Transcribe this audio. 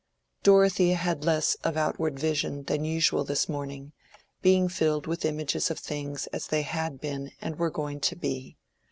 Dorothea had less of outward vision than usual this morning, being filled with images of things as they had been and were going to be.